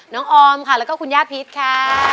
ออมค่ะแล้วก็คุณย่าพิษค่ะ